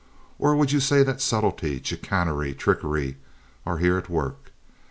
Or would you say that subtlety, chicanery, trickery, were here at work?